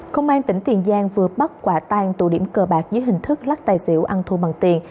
công an tỉnh tiền giang vừa bắt quả tang tụ điểm cờ bạc dưới hình thức lắc tài xỉu ăn thua bằng tiền